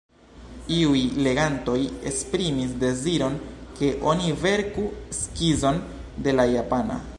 Iuj legantoj esprimis deziron ke oni verku skizon de la japana.